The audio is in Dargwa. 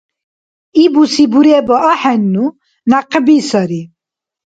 Ибуси буреба ахӀенну, някъби сари.